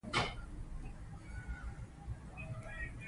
د پرېکړو روڼتیا اعتماد زیاتوي